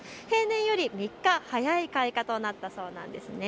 平年より３日早い開花となったそうです。